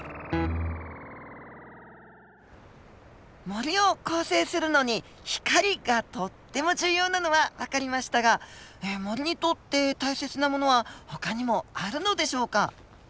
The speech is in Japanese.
森を構成するのに「光」がとっても重要なのはわかりましたが森にとって大切なものはほかにもあるのでしょうか？